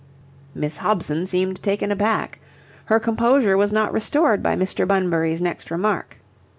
Miss Hobson seemed taken aback. Her composure was not restored by Mr. Bunbury's next remark.